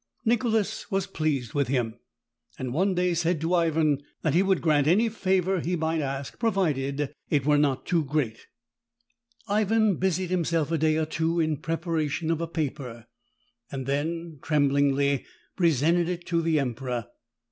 Nicholas was pleased with him, and one day said to Ivan that he would grant any favor he might ask, provided it were not too great. Ivan 118 THE TALKING HANDKERCHIEF. busied himself a day or two in the preparation of a paper, and then tremblingly presented it to the emperor.